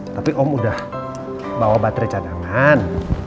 tapi om udah bawa baterai cadangan